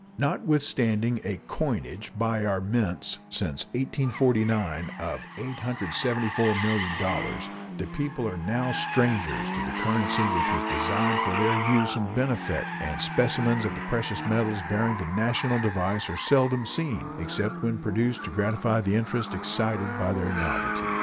Notwithstanding a coinage by our mints since 1849 of $874,000,000, the people are now strangers to the currency which was designed for their use and benefit, and specimens of the precious metals bearing the national device are seldom seen, except when produced to gratify the interest excited by their novelty.